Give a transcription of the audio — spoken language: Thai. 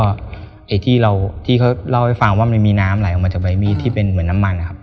ไอ้ที่เราที่เขาเล่าให้ฟังว่ามันมีน้ำไหลออกมาจากใบมีดที่เป็นเหมือนน้ำมันนะครับ